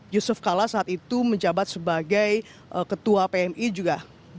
yusuf kala saat itu menjabat sebagai ketua pmi juga